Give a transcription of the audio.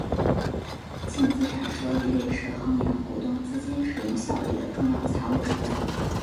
净资产收益率是衡量股东资金使用效率的重要财务指标。